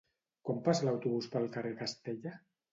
Quan passa l'autobús pel carrer Castella?